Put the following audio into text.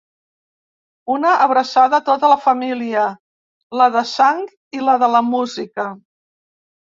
Una abraçada a tota la família, la de sang i la de la música.